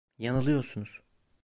Yanılıyorsunuz.